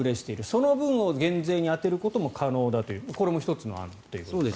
その分を減税に充てることも可能だというこれも１つの案ということですね。